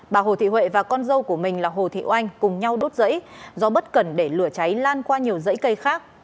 bà hồ thị huệ và con dâu của mình là hồ thị oanh cùng nhau đốt rẫy do bất cần để lửa cháy lan qua nhiều dãy cây khác